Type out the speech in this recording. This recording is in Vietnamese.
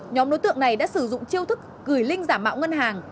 nhóm đối tượng này đã sử dụng chiêu thức gửi link giả mạo ngân hàng